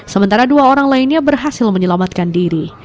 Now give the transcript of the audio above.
sementara dua orang lainnya berhasil menyelamatkan diri